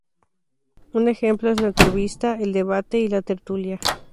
Un ejemplo es la entrevista, el debate y la tertulia.